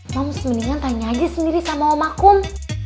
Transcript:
moms mendingan tanya aja sendiri sama om akum